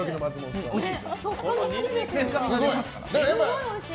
すごいおいしい！